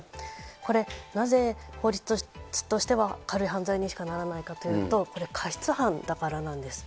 これ、なぜ法律としては軽い犯罪にしかならないかというと、これ、過失犯だからなんです。